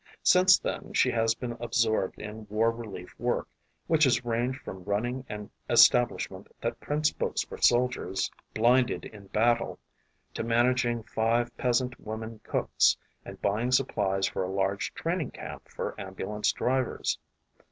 Since then she has been absorbed in war relief work which has ranged from running an establishment that prints books for soldiers blinded in battle to managing five peasant women cooks and buying supplies for a large training camp for ambu lance drivers.